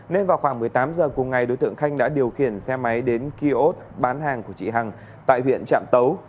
nên vào khoảng một mươi tám h cùng ngày đối tượng khanh đã điều khiển xe máy đến kiosk bán hàng của chị hằng tại huyện trạm tấu